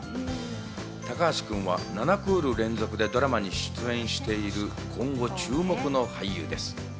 高橋君は７クール連続でドラマに出演している、今後注目の俳優です。